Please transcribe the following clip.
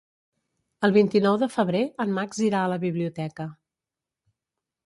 El vint-i-nou de febrer en Max irà a la biblioteca.